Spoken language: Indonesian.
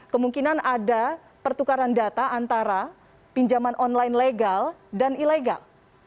kemungkinan ada pertukaran data antara pinjaman online legal dan ilegal